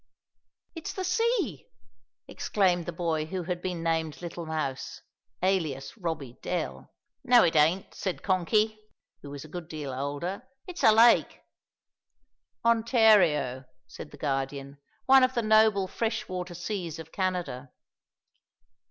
"It's the sea!" exclaimed the boy who had been named little Mouse, alias Robbie Dell. "No, it ain't," said Konky, who was a good deal older; "it's a lake." "Ontario," said the Guardian, "one of the noble fresh water seas of Canada."